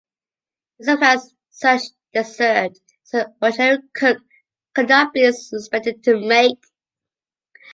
He supplies such dessert as an ordinary cook could not be expected to make.